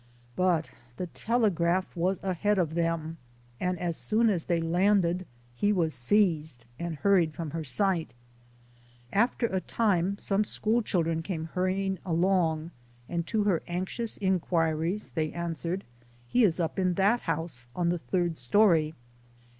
But the telegraph was ahead of them, and as soon as they landed he was seized and hurried from her sight. After a time, some school children came hurrying along, and to her anxious inquiries they answered, " He is up in that house, in the third story."